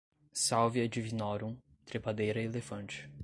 salvia divinorum, trepadeira elefante